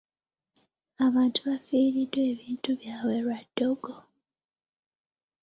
Abantu bafiiriddwa ebintu byabwe lwa ddogo.